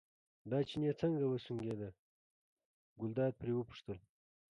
دا چيني څنګه وسونګېد، ګلداد پرې وپوښتل.